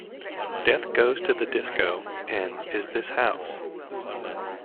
"Death Goes To The Disco" and "Is This House?